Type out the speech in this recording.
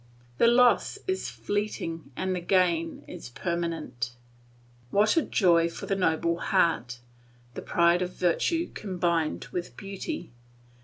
The loss is fleeting, the gain is permanent. What a joy for a noble heart the pride of virtue combined with beauty.